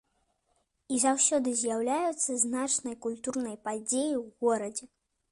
І заўсёды з'яўляюцца значнай культурнай падзеяй у горадзе.